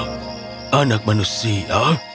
hah anak manusia